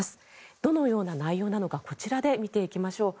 どのような内容なのかこちらで見ていきましょう。